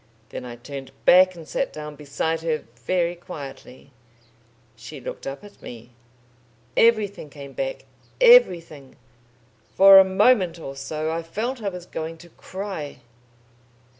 Then I turned back and sat down beside her, very quietly. She looked up at me. Everything came back everything. For a moment or so I felt I was going to cry...."